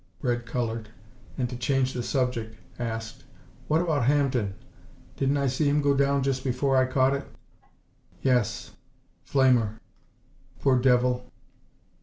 Red colored, and to change the subject, asked, "What about Hampden? Didn't I see him go down just before I caught it?" "Yes. Flamer. Poor devil!"